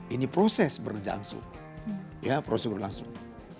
ini proses berlangsung ya proses berlangsung